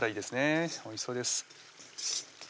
おいしそうです